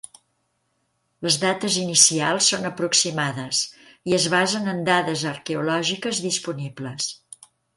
Les dates inicials són aproximades i es basen en dades arqueològiques disponibles.